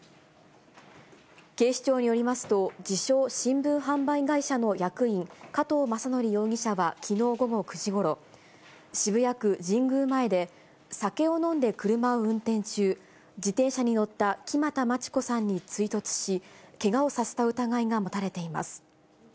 警視庁によりますと、自称、新聞販売会社の役員、加藤政則容疑者はきのう午後９時ごろ、渋谷区神宮前で、酒を飲んで車を運転中、自転車に乗った木全万千子さんに追突し、けがをさせた疑いが持たれています。